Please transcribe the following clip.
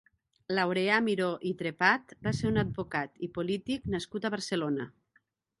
Laureà Miró i Trepat va ser un advocat i polític nascut a Barcelona.